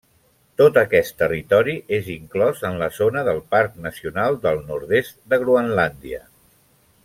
Tot aquest territori és inclòs en la zona del Parc Nacional del Nord-est de Groenlàndia.